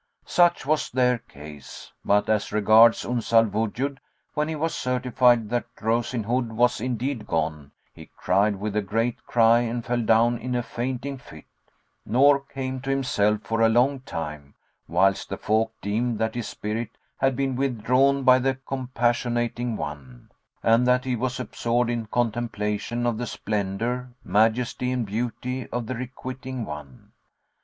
Such was their case; but as regards Uns al Wujud, when he was certified that Rose in Hood was indeed gone, he cried with a great cry and fell down in a fainting fit, nor came to himself for a long time, whilst the folk deemed that his spirit had been withdrawn by the Compassionating One; and that he was absorbed in contemplation of the splendour, majesty and beauty of the Requiting One.